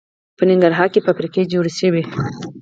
په ننګرهار کې فابریکې جوړې شوي